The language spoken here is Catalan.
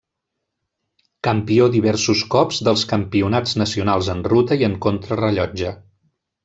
Campió diversos cops dels campionats nacionals en ruta i en contrarellotge.